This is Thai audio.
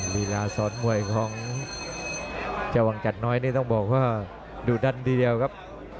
ลีลาสอนมวยของเจ้าวังจัดน้อยนี่ต้องบอกว่าดูดันเดียวครับ